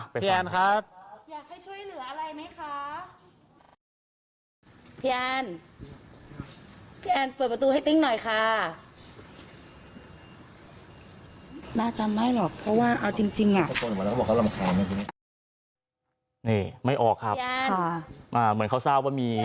พี่แอนครับ